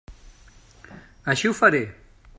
Així ho faré.